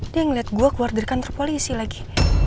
dia ngeliat gue keluar dari kantor polisi lagi